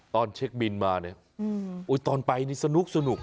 ตอนเช็คบินมาเนี่ยตอนไปนี่สนุก